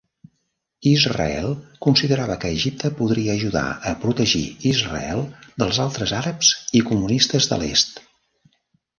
Israel considerava que Egipte podria ajudar a protegir Israel dels altres àrabs i comunistes de l"est.